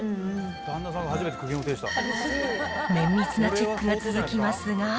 綿密なチェックが続きますが。